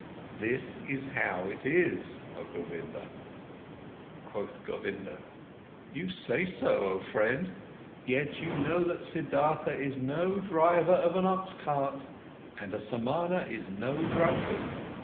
This is how it is, oh Govinda." Quoth Govinda: "You say so, oh friend, and yet you know that Siddhartha is no driver of an ox cart and a Samana is no drunkard.